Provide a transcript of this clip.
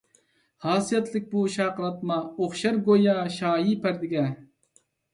خاسىيەتلىك بۇ شارقىراتما، ئوخشار گويا شايى پەردىگە.